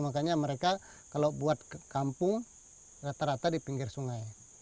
makanya mereka kalau buat kampung rata rata di pinggir sungai